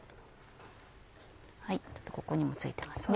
ちょっとここにもついてますね。